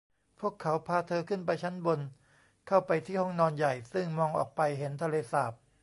พวกเขาพาเธอขึ้นไปชั้นบนเข้าไปที่ห้องนอนใหญ่ซึ่งมองออกไปเห็นทะเลสาบ